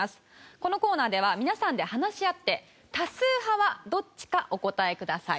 このコーナーでは皆さんで話し合って多数派はどっちかお答えください。